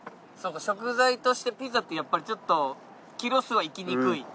そうか食材としてピザってやっぱりちょっとキロ数は行きにくい？